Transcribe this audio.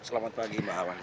selamat pagi mbak hawan